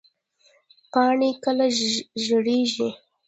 پاڼې کله ژیړیږي؟